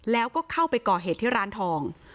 แล้วก็เข้าไปก่อเหตุที่ร้านทอง